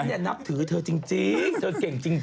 เนี่ยนับถือเธอจริงเธอเก่งจริง